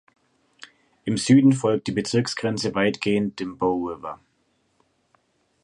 Im Süden folgt die Bezirksgrenze weitgehend dem Bow River.